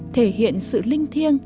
thể hiện sự linh thiêng